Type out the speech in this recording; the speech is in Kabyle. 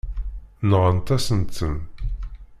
Nɣant-asent-ten.